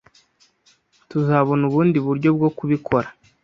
Tuzabona ubundi buryo bwo kubikora.